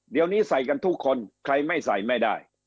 เดี๋ยวนี้ใส่กันทุกคนใครไม่ใส่ไม่ได้